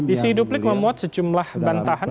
isi duplik memuat sejumlah bantahan